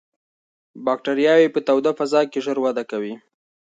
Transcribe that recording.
باکتریاوې په توده فضا کې ژر وده کوي.